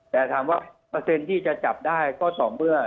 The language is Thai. แต่ถามว่าเปอร์เซ็นต์ที่จะจับได้ก็ต่อเมื่อ